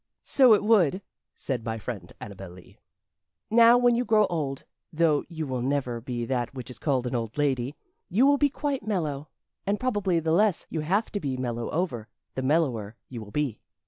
"So it would," said my friend Annabel Lee. "Now, when you grow old though you will never be that which is called an old lady you will be quite mellow. And probably the less you have to be mellow over, the mellower you will be."